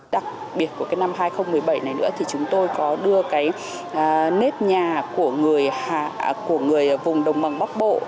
đặc biệt của cái năm hai nghìn một mươi bảy này nữa thì chúng tôi có đưa cái nếp nhà của người vùng đồng bằng bắc bộ